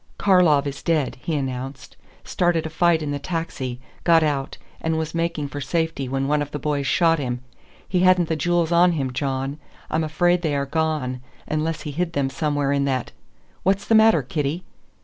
"Karlov is dead," he announced. "Started a fight in the taxi, got out, and was making for safety when one of the boys shot him. He hadn't the jewels on him, John. I'm afraid they are gone, unless he hid them somewhere in that What's the matter, Kitty?"